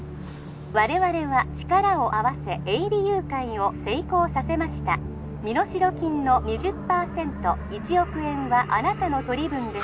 ☎我々は力を合わせ営利誘拐を成功させました☎身代金の２０％１億円はあなたの取り分です